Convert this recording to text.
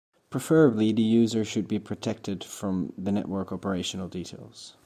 Preferably, the user should be protected from the network operational details.